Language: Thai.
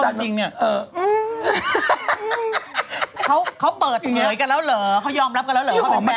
เขายอมรับกันแล้วเหรอเขาเป็นแฟนกัน